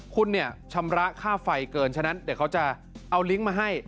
คุณเนี่ยชำระค่าไฟเกินฉะนั้นเดี๋ยวเขาจะเอาลิงก์มาให้